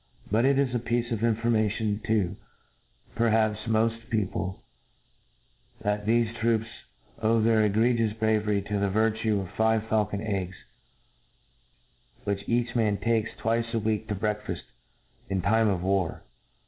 But it is a piece of information to, perhaps, mofl: people, that thefe troops owe their egregious bravery to the virtue of five faulcon eggs which each man takes twice a week^o breakfaft in time of war.